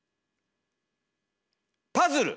パズル！